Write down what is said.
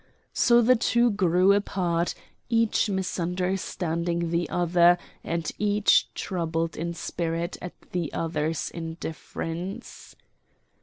So the two grew apart, each misunderstanding the other and each troubled in spirit at the other's indifference.